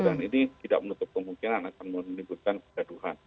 dan ini tidak menutup kemungkinan akan menimbulkan kegaduhan